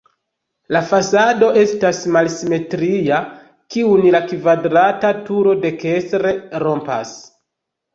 La fasado estas malsimetria, kiun la kvadrata turo dekstre rompas.